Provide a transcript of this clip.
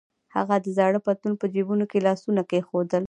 هغه د زاړه پتلون په جبونو کې لاسونه کېښودل.